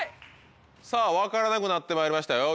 さぁ分からなくなってまいりましたよ。